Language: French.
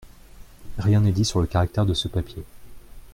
Rien n’est dit sur le caractère de ce papier.